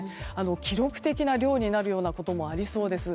記録的な量になることもありそうです。